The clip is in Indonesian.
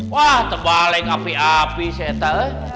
wah terbalik api api saya itu